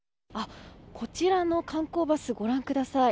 こちらの観光バスご覧ください。